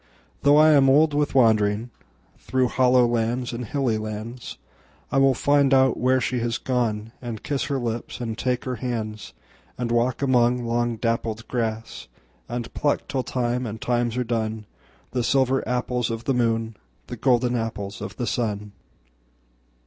Though I am old with wanderingThrough hollow lands and hilly lands,I will find out where she has gone, And kiss her lips and take her hands; And walk among long dappled grass, And pluck till time and times are done, The silver apples of the moon, The golden apples of the sun.